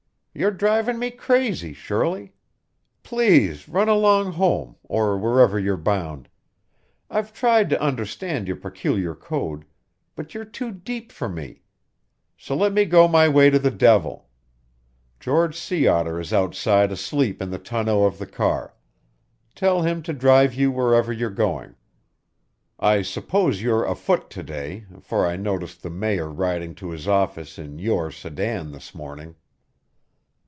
You're driving me crazy, Shirley. Please run along home, or wherever you're bound. I've tried to understand your peculiar code, but you're too deep for me; so let me go my way to the devil. George Sea Otter is outside asleep in the tonneau of the car. Tell him to drive you wherever you're going. I suppose you're afoot to day, for I noticed the Mayor riding to his office in your sedan this morning."